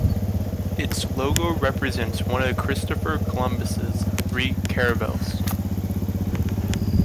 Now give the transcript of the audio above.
Its logo represents one of Christopher Columbus's three caravels.